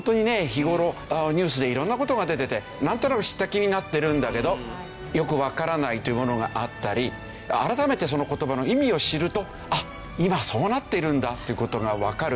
日頃ニュースで色んな事が出ててなんとなく知った気になってるんだけどよくわからないというものがあったり改めてその言葉の意味を知るとあっ今そうなっているんだという事がわかるというね。